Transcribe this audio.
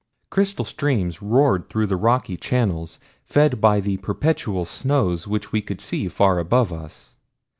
Crystal streams roared through their rocky channels, fed by the perpetual snows which we could see far above us.